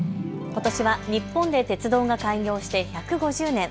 ことしは日本で鉄道が開業して１５０年。